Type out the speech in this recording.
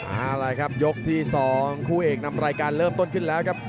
เอาละครับยกที่๒คู่เอกนำรายการเริ่มต้นขึ้นแล้วครับ